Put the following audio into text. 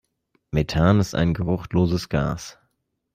Methan ist ein geruchloses Gas.